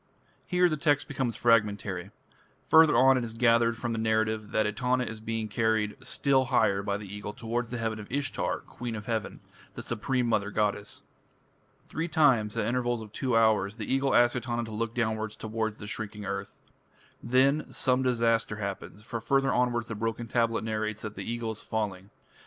Here the text becomes fragmentary. Further on it is gathered from the narrative that Etana is being carried still higher by the Eagle towards the heaven of Ishtar, "Queen of Heaven", the supreme mother goddess. Three times, at intervals of two hours, the Eagle asks Etana to look downwards towards the shrinking earth. Then some disaster happens, for further onwards the broken tablet narrates that the Eagle is falling.